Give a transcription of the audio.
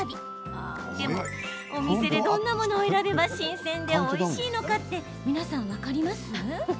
でもお店でどんなものを選べば新鮮でおいしいのかって皆さん分かります？